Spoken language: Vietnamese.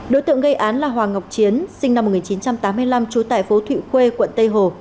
đối tượng gây án là hoàng ngọc chiến sinh năm một nghìn chín trăm tám mươi năm trú tại phố thụy khuê quận tây hồ